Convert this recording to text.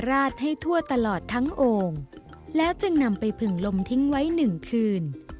ราดให้ทั่วตลอดทั้งโอ่งแล้วจึงนำไปผึ่งลมทิ้งไว้หนึ่งคืน